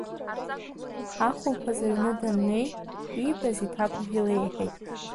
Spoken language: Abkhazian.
Ахәылԥаз иҩны даннеи, иибаз иҭакәажә илеиҳәеит.